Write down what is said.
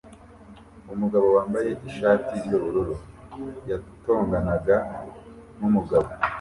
Umugabo wambaye ishati yubururu yatonganaga numugabo